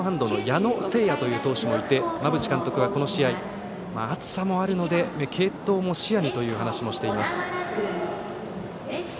矢野勢也という投手もいて馬淵監督は、この試合暑さもあるので継投も視野にという話もしています。